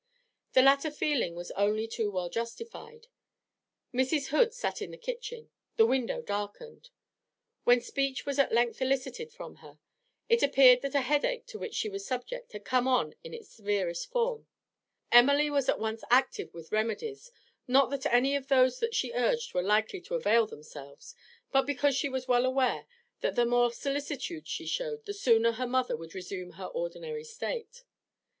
The latter feeling was only too well justified. Mrs. Hood sat in the kitchen, the window darkened. When speech was at length elicited from her, it appeared that a headache to which she was subject had come on in its severest form. Emily was at once active with remedies, not that any of those that she urged were likely to avail themselves, but because she was well aware that the more solicitude she showed the sooner her mother would resume her ordinary state.